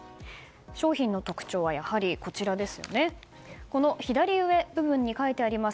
商品の特徴は、やはりこちら左上部分に書いてあります